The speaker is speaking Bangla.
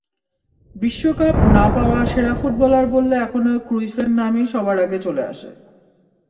বিশ্বকাপ না-পাওয়া সেরা ফুটবলার বললে এখনো ক্রুইফের নামই সবার আগে চলে আসে।